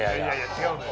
違うのよ。